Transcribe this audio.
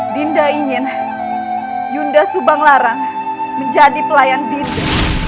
dinda ingin yunda subang larang menjadi pelayan dinda